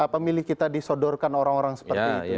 pemilih kita disodorkan orang orang seperti itu